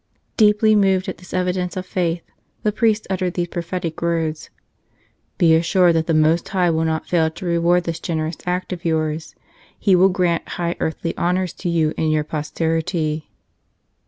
Deeply moved at this evidence of faith, the priest uttered these prophetic words. "Be assured that the Most High will not fail to reward this generous act of yours; He will grant high earthly honors to you and your posterity."